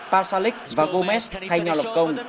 pasalic và gomez thay nhau lập công